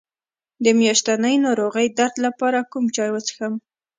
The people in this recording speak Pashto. د میاشتنۍ ناروغۍ درد لپاره کوم چای وڅښم؟